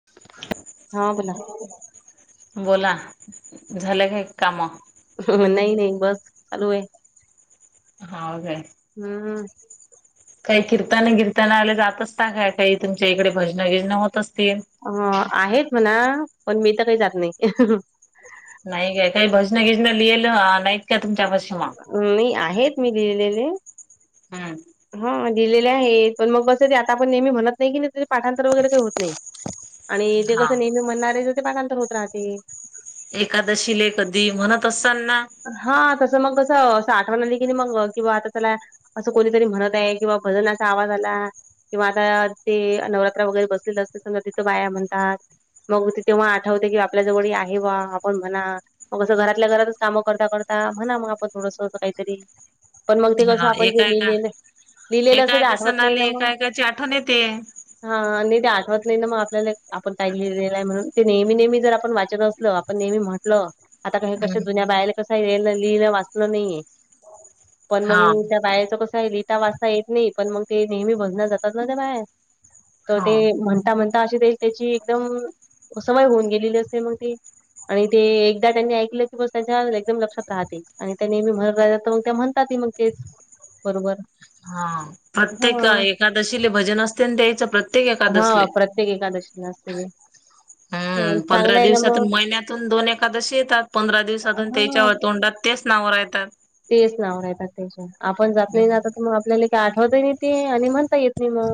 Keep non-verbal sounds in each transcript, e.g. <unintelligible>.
ह हा, बोला. बोला, झालं का काम? नाही नाही, बसं, चालू आहे. हा, काय. हम्म. काही कीर्तन <unintelligible> जात असता काय? काही तुमच्या इकडे भजन बिजन होत असतील? आहेत म्हणा, पण मी तर काही जात नाही. नाही जे काही भजन बिजन लिहिल नाहीत का तुमच्यापशी मग? नाही, आहेत मी लिहिलेले. हम्म. हा, लिहीलेले आहेत, पण मग बस ते आता पण नेहमी म्हणत नाही की ने, त्याचे पाठांतर वगैरे काही होत नाही. आणि ते हा कसं नेहमी म्हणणारे ज ते पाठांतर होत राहते. एकादशीले कधी म्हणत असाल ना. हा, तसं मग कसं <unintelligible> न की नाही मग किंवा आता चला असं कोणीतरी म्हणत आहे किंवा भजनाचा आवाज आला. किंवा आता ते नवरात्रा वगैरे बसलेलं असते, समजा तिथं बाया म्हणतात. मग ते तेव्हा आठवते की, आपल्याजवळ ही आहे बा, आपण म्हणा. मग असं घरातल्या घरातच कामं करता करता म्हणा, मग आपण थोडस असं काहीतरी. पण मग ते कसं आपण जे लिहिलेलं. लिहिलेलं असं एकाय ते कसा आठवत नाही आले, ना मग एकायकाची आठवण येते. हा, नाही ते आठवत नाही ना मग, आपल्याला आपण काही लिहिलेलं आहे म्हणून ते नेहमी नेहमी जर आपण वाचत असलो, आपण नेहमी म्ह ल आता का कस हम्म जुन्या बायांना कसं, येल, लिहिलं, वाचल नाहीेये. पण मग हा त्या बायाचं कसं आहे लिहिता, वाचता येत नाही, पण मग ते नेहमी भजना जातात ना ते बाया, तर हा ते म्हणता म्हण <unintelligible> त्याची एकदम सवय होऊन गेलेली असते, मग ती आणि ते एकदा त्यांनी ऐकलं की बस त्यांच्या एकदम लक्षात राहते आणि त्या नेहमी म्हणत राहिल्या तर मग त्या म्हणतातही मग तेच बरोबर. हा हा प्रत्येक एकादशीले भजन असते ना त्याईच प्रत हा प्रत्येक एकादशीला असते ते. हं, हम्म पंधरा चांगलं आहे ना मग दिवसातून, महिन्यातून दोन एखकादशी येतात. पंधरा दिवसातून हा त्याच्या तोंडात तेच नाव रायतात. तेच नाव रायतात त्याच्या. आपण जात नाही त आता कुण आपल्याले काही आठवत ही नाही. ते आणि म्हणता येत नाही म,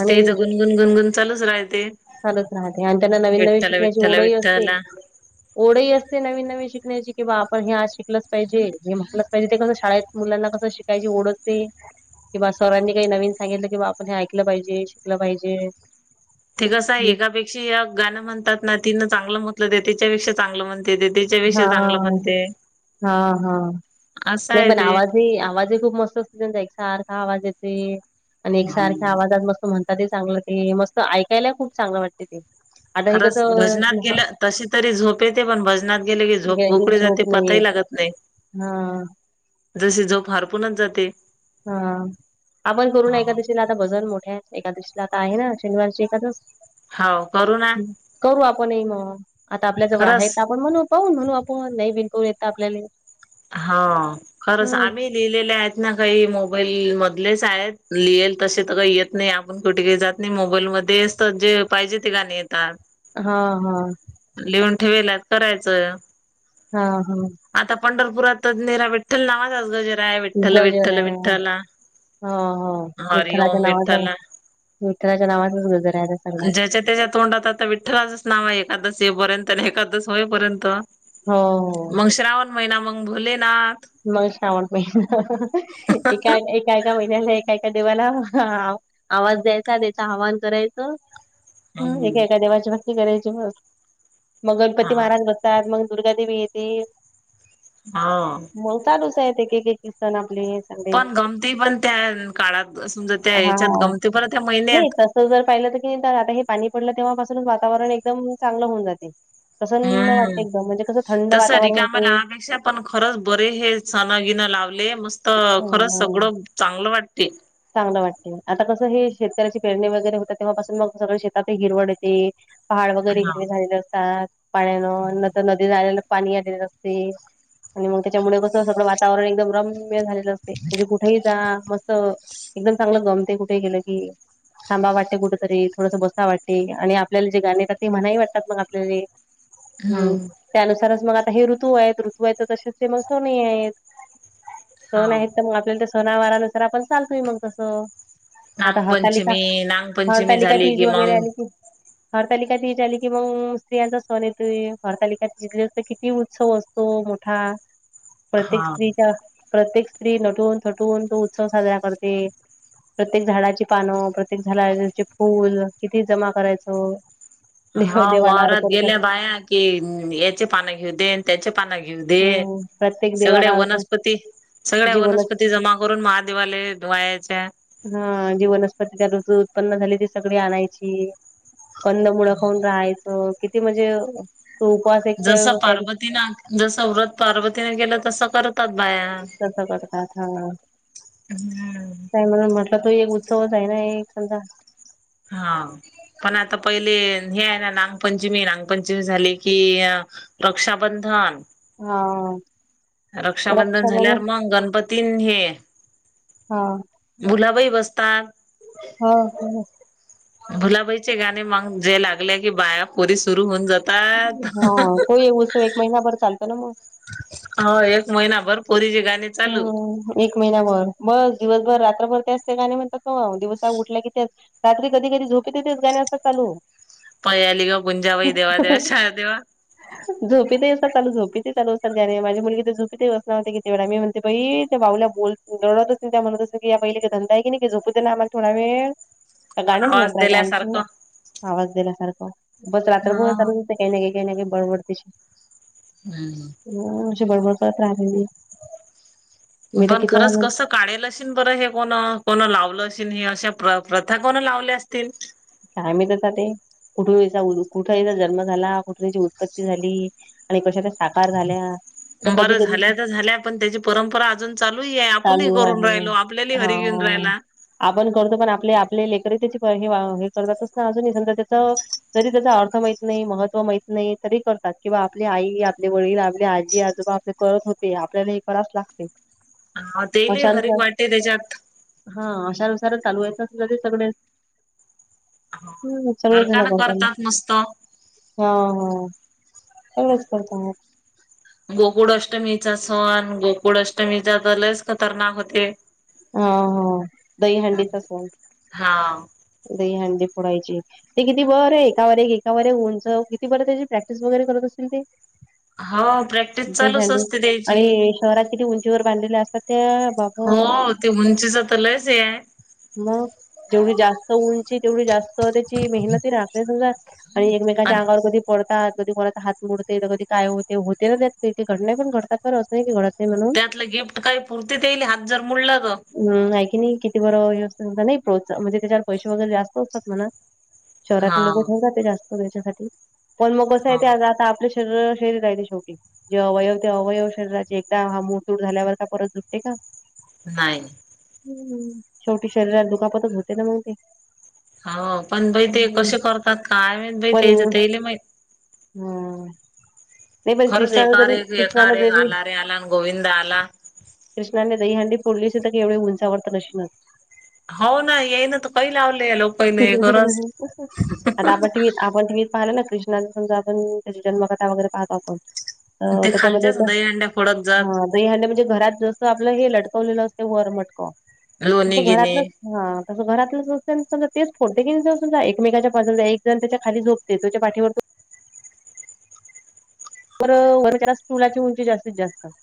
आणि गन गन गन चालूच रायते. चालूच राहाते. आणि त्यांना नवीन नवीन शिकण्याची ओढही असते. विठ्ठला ओढही असते नवीन नवीन शिकण्याची कि बा आपण हे आज शिकलंच पाहिजे. हे म्हटलं म्हणजे ते कसं शाळेत मुलांना कसं शिकायची ओढ असते कि बा सरांनी काही नवीन सांगितलं कि बा आपण हे ऐकलं पाहिजे, शिकलं पाहिजे. ते कसं आहे एकापेक्षा एक गाण म्हणतात ना, तिनं चांगलं म्हटलं ते तीच्यापेक्षा चांगलं म्हणते ते ती हा हा हा हा असं नाही आहे पण ते. आवाजही, आवाजही खूप मस्त असत <unintelligible> एक सारखा आवाज येते आणि एक सारख्या हम्म. आवाजात मस्त म्हणतात ही चांगलं ते मस्त ऐकायलाही खूप चांगलं वाटते ते. आता हे खरंच कसं भजनात गेलं तशी तरी झोपे ते पण भज नात गेले की झोप, भूक कुठे जाते झोप नाही पता ही येत लागत नाही. हा जशी झोप हारपूनच जाते. हा आपण करू न एकादशीला आता भजन मोठ्या एकादशीला, आता आहे ना शनिवारची एकादस हव करू ना. करू आपणही मग, आता आपल्या जवळ आहे खरंच त आपण म्हणू पाहून म्हणू आपण. नाही बिनपाहू येत त आपल्याले हा खरच आम्ही लिहिलेले आहेत ना काही मोबाईल मधलेच आहेत. लिहेल तसे तर काही येत नाही. आपण कुठे काही जात नाही. मोबाईलमधे असत. जे पाहिजे ते गाणी येतात. हा हा. लिहून ठेवेल आहेत करायचं. हा ह. आता पंढरपुरात तर नीरा विठ्ठल नावाचाच गजर आहे विठ्ठल गजर विठ्ठल आहे. विठ्ठला ह हा हा हरी ओम विठ्ठलाच्या नावाचा विठ्ठला विठ्ठलाच्या नावाचाच गजर आहे <unintelligible> ज्याच्या त्याच्या तोंडात आता विठ्ठलाचच नाव आहे एकादस येईपर्यंत न एकादस होईपर्यंत. हो हो मग श्रावण महिना मग भोलेनाथ मग श्रावण महिना. एका एक एका, एका महिन्याला एका, एका देवाला आवाज द्यायचा त्याच आवाहन करायचं ह हम्म एका एका देवाची भक्ती करायची बस. मग हा गणपती महाराज बस तात. मग दुर्गा देेवी येते. हा. मग चालूच आहेत एक, एक, एक, एक सण आपले सगळे पण गमती पण त्या काळात. समजा त्या याच्यात गमती पण त्या महिन्यात आता जर पाहिलं तर की <unintelligible> आता हे पाणी पडलं तेव्हापासूनच वातावरण एकदम चांगलं होऊन जाते. प्रसन्न वाटते हम्म एकदम! म्हणजे कसं थंड वातावरण होते आपण खरंच बरे हे सण गिणं लावले मस्त खरंच हं. सगळं चांगलं वाटते. चांगलं वाटते आता कसं हे शेतकऱ्याची पेरणी वगैरे होते, तेव्हापासून मग सगळ शेतात हिरवळ येते, पहाड वगैरे हा हिरवे झालेले असतात पाण्यानं, नंतर नदीला आलेला पाणी आलेलं असते, आणि मग त्याच्यामुळे कस सगळं वातावरण एकदम रम्यं झालेलं असते म्हणजे कुठेही जा मस्त एकदम चांगलं गमते कुठे गेलं की, थांबा वाटते कुठतरी, थोडंसं बसा वाटते, आणि आपल्याला जे गाणे येतात, ते म्हणाही वाटतात मग आपल्याले हम्म त्यानुसारच मग आता हे ऋतू आहेत, ऋतू आहे तर तसेच ते मग सण ही आहेत. हा सण आहेत तर, मग आपल्याला ते सणावारानुसार आपण चालतोय मग तसं आता हरतालिका नांगपंचमी, नांगपंचमी हरतालिका झाली तीज की वगैरे मग, आली की हरतालिका तीज आली की मग स्त्रियांचा सण येतोय हरतालिका जिंथली असते किती उत्सव असतो. तो मोठा प्रत्येक हा स्त्रीच्या, प्रत्येक स्त्री नटून-थटून तो उत्सव साजरा करते. प्रत्येक झाडाची पानं, प्रत्येक झाडाचे फूल किती जमा करायचं देव हा देवाला वावरात अर्पण कर गेल्या बाया कि, ह्याची पानं घेऊ देन त्याची पाना घेऊ दे, हम्म प्रत्येक सगळ्या देवाला अर्पण वनस्पती, सगळ्या जीवनच वनस्पती जमा करून महादेवाले वायाच्या हा जी वनस्पती त्या रोज उत्पन्न झाली ती सगळी आणायची, कंदमुळं खाऊन राहायचं, किती म्हणजे तो उपवास एक ते जसं पार्वतीनं जसं व्रत पार्वतीने गेलं तसं करतात बाया, तसं करतात हा... हम्म. काय म्हणून म्हटलं तो एक उत्सवच आहे ना एक समजा. हां. पण आता पहिले हे आहे ना नांगपंचमी, नांगपंचमी झाले की, रक्षाबंधन.. हां... रक्षाबंधन झाल्यावर मंग गणपतीनं हे, हा भुलाबाई बसतात. हो, हो... भुलाबाईचे गाणे मग जे लागले की बाया, पोरी सुरू होऊन जात हा तोही उत्सव एक महिनाभर चालतो ना मग. हो एक महिनाभर पोरी ची गाणी, हा.. एक महिनाभर बस दिवसभर, रात्रभर त्याच त्या गाणं म्हणतात ना व दिवसा उठल्या कि त्याच रात्री कधी-कधी झोपी ते तेेच गाणे असतात चालू. पयाली गा गुंजा वई देवा, देवा शहा देवा झोपीतही असतात चालू, झोपीतही चालू् असतात गाणी, माझी मुलगी तर झोपतही बस ना म्हणते कितीे वेळा मी म्हण ते बई त्या भाऊला बोल दडत असतील, त्या म्हणत असतील की या बाईले काय धंदा आहे की नाही काय झोपू देणा आम्हांला थोडा वेळ. आता गाणीचं आवाज म्हणताय टायमचं, दिल्यासारखं. आवाज दिल्यासारखं बस रात्रभर हा चालूच असते काही ना काही, काही ना काही, बडबड तिची. हू.. ह.. ह अशी बडबड करत राहते मी, तर पण किती वेळा खरंच म्हणते कसं, काढेल असन बरं हे कोण? कोणं लावलं असनं हे अशा प्र प्रथा कोण लावल्या असतील?. काय माहित आता ते, कुठून ईचा-कुठे ईचा जन्म झाला, कुठं ईची उत्पत्ती झाली. आणि कशा त्या साकार झाल्या, तर कधी बरं कधी झाल्या तर झाल्या पण त्याची परंपरा अजून चालूही आहे आपणही चालू करून आहे राहिलो आपल्याले भी हा हरी घेऊन राहिला आपण करतो पण आपले आपले लेकरं त्याची हे करतातस ना अजून समजा त्याच तरी त्याचा अर्थ माहीत नाही महत्त्व माहीत नाही तरी करतात किंवा आपली आई आपले वडील आपली आजी आजोबा आपले करत होते आपल्याला हे करावच लागते ह तेलई हरीक अशानुसार वाटे त्याच्यात हा अशाानुसार चालू आहेेत अस ते सगळे हम्म सगळे जण नरकानं करतान करतात मस्त हा सगळंच करताना <inaudible> गोकुळ अष्टमीचा सण गोकुळ अष्टमी लयच खतरनाक होते हा हा दहीहंडीचा सण हा दहीहंडी फोडायची ते किती वरं एका वर एक एका वर एक ऊंचं किती बरं त्याची प्रॅक्टिस वगैरे करत असतील ते हा प्रॅक्टिस चालूच असते त्याची शहरात किती उंचीवर बांधलेल्या असतात ते बाप हो ते उंचीच तर लयच हे आहे मग जेवढी जास्त उंची तेवढी जास्त त्याची मेहनत राहते राहतेच ना आणि एकमेकांच्या अंगावर कधी पडतात कधी कोणाचा हात मुडते तर कधी काय होते होते ना त्यात काही घड नाही पण घडतात घडत नाही म्हणून त्यातलं गिफ्ट काही पुरते त्याईले हात जर मुडलं तर हम नाही की नाही किती बरोबर व्यवस्थित नाही म्हणजे त्याच्यावर पैसे वगैरे जास्त असतात म्हणा हा शहरातले लोक ठेऊ जाते जास्त पैसासाठी पण मग कसं हा आहे आता आज आपल्या शेजारीला शेजारी रायली शेवटी हे अवयव ते अवयव शरीराचे एकदा हा मूळतूड झाल्यावर का परत जुडते का नाही हम शेवटी शरीरात दुखापतच होते ना मग ते हो पण बाई ते हम्म. कसे करतात काय माहित त्याच तेले माहित हम खरंच एका वर एक एका कृष्णाने वर एक अन जरी आला रे आला आणि गोविंदा आला कृष्णाने दहीहंडी फोडली अस तर केवढे उंचावरत नशिनच हो ना याईन तर काही लावले लोकहीने गरज आता आपण टीव्हीत आपण हे पाहिलं ना कृष्णाचा समजा आपण त्याची जन्मकथा वगैरे पाहत आपण अ ते त्याच्यामध्ये खालच्याच पण दही अंड्या फोडत जात हा दहीहंडी म्हणजे घरात जसं आपलं हे लटकवलेलं असते वर मटक तस लोणी गिणी घरातलं हा तसं घरातलं समजा तेच फोडते की समजा एकमेकाच्या बाजून एक जण त्याच्या खाली झोपते त्याच्या पाठीवर त बरं वरजा पोराची उंची जास्तीत जास्त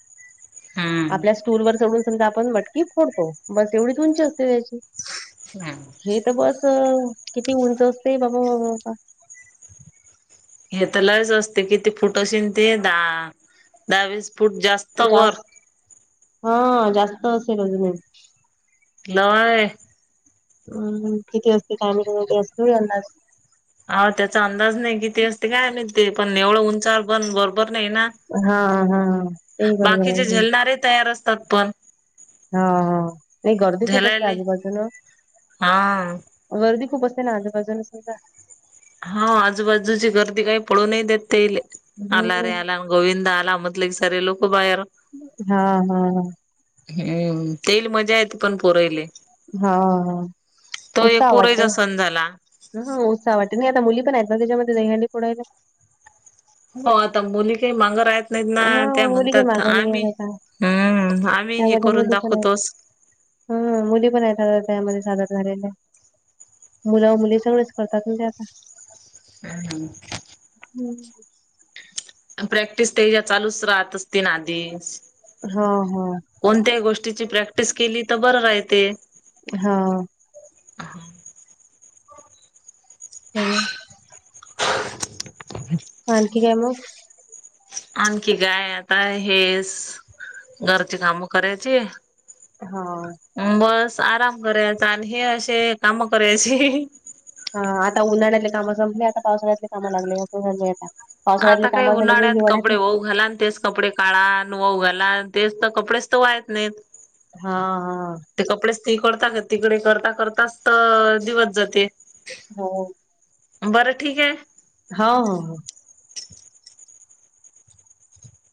हम आपल्या स्टूल वर चडून समजा आपण मटकी फोडतो बस एवढीच उंची असते त्याची हम् हे तर बस किती उंच असते बाबा बाबा हे तर लयच असते किती फूट अशीन ते दहा दहा वीस फूट जास्त वर जास्त हं जास्त असेल अजून नय हम किती वाजते काय माहित रोज असतो यंद हा त्याचा अंदाज नाही किती असते काय माहित ते पण एवढं उंचावर पण बरोबर नाही ना हा हा ते बरोबर आहे बाकीचे की. झेलणारे तयार असतात पण हं नाही घरदी खूप असते झलाले आजूबाजूूला हा गर्दी खूप असते ना, आजूबाजून सुद्धा. हा आजूबाजूची गर्दी काही पळू नाही देत तेईले. आला रे हम्म आला. गोविंदा आला म्हटलं की, सारे लोक बाहेर. हा.. हा.. हा. हम्म. तेल मजा येत, पण पोर ईले. हा हा तो एक उत्साह वाटते पोरयेचा सण झाला. हा उत्साह वाटे नाही आता. मुली पण आहेत ना त्याच्यामध्ये दहीहंडी फोडायला. हो, आता मुली काही माग राहत नाहीत ना. हा त्या मुली काही म्हणतात मागं नाही आम्ही आहेत आता हम्म. आम्ही हे करून दाखवतोस. हम, मुली पण आहेत आता त्यामध्ये सादर झालेल्या. मुलं मुली सगळेच करतात ना ते आता. हम्.. हम्. हम्म. आन प्रॅक्टिस तेच्या चालूच राहत आसतीन आधीच. हा.. हा. कोणत्याही गोष्टीची, प्रॅक्टिस केली तर बरं राहते. हा. हम्. <unintelligible> आणखी काय मग? आणखी काय आता हेच, घरची कामं करायची. हा. बस आराम करायचा. आणि हे असे काम करायची. हा आता उन्हाळ्यातले काम संपले, आता पावसाळ्यातले कामं लागले. असं झाले आता. पावसाळ्यातले आता काही काम झाले की उन्हाळ्यात कपडे हिवाळ्यातले होऊ घाला. आन तेच कपडे काढा न वाळू घाला, तेच तर कपडेच तर वाळत नाहीत. हा.. हा. ते कपडे इस्त्री करता का तिकडे करता करताच तर दिवस जाते. हो. बरं ठीक आहे. हो,. हो.. हो.